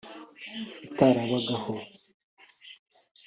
itarabagaho